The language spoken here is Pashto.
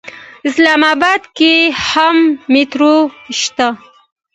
اسلام اباد کې هم میټرو شته.